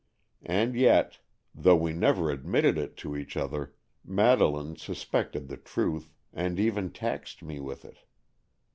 And yet, though we never admitted it to each other, Madeleine suspected the truth, and even taxed me with it.